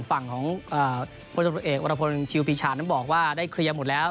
ฝั่งของผู้จัดการตัวเอกวรพชิวพิชาน้ำบอกว่าได้เคลียร์หมดแล้ว